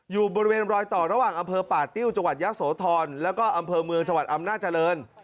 อยู่บริเวณรอยต่อระหว่างอำเภอป่าติ้วจังหวัดยะโสธรแล้วก็อำเภอเมืองจังหวัดอำนาจริง